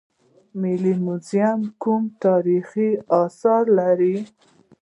ملي موزیم کوم تاریخي اثار لري؟